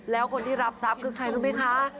แล้วคนที่รับทรัพย์คือใครรู้ไหมคะ